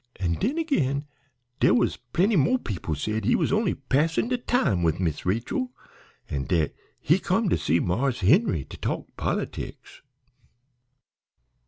An' den agin dere was plenty mo' people said he was only passin' de time wid Miss Rachel, an' dat he come to see Marse Henry to talk pol'tics.